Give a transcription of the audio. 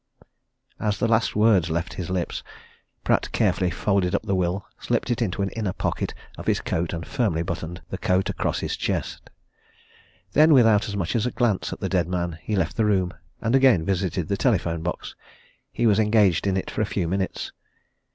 As the last word left his lips Pratt carefully folded up the will, slipped it into an inner pocket of his coat, and firmly buttoned the coat across his chest. Then, without as much as a glance at the dead man, he left the room, and again visited the telephone box. He was engaged in it for a few minutes.